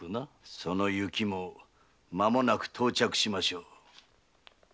その雪もまもなく到着しましょう。